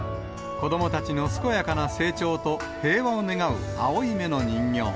子どもたちの健やかな成長と、平和を願う青い目の人形。